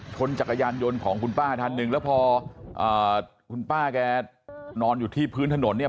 จักรยานยนต์ของคุณป้าท่านหนึ่งแล้วพอคุณป้าแกนอนอยู่ที่พื้นถนนเนี่ย